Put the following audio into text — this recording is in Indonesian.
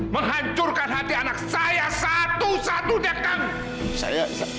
menghancurkan hati anak saya satu satunya kang